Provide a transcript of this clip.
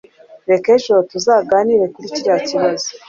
Reka ejo tuganire kuri kiriya kibazo